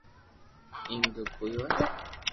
ايم تو ڪوئي ھوئي